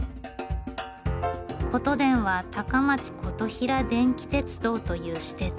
ことでんは高松琴平電気鉄道という私鉄。